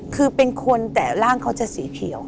คือเป็นคนแต่ร่างเขาจะสีเขียว